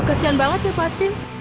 kasian banget ya pak hasim